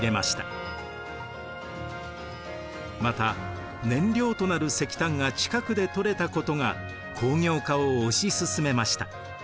また燃料となる石炭が近くで採れたことが工業化を推し進めました。